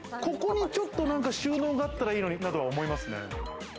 ここにちょっと収納があったらいいのにとは思います。